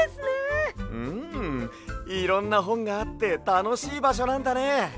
うんいろんなほんがあってたのしいばしょなんだね。